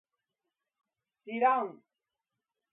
しらん